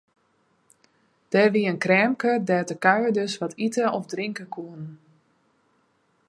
Der wie in kreamke dêr't de kuierders wat ite of drinke koene.